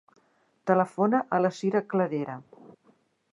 Telefona a la Sira Cladera.